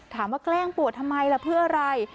ถามว่าแกล้งปวดทำไมแล้วเพื่ออะไร